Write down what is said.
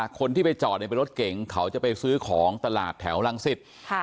คนที่ไปจอดเป็นรถเก๋งเขาจะไปซื้อของตลาดแถวรังสิต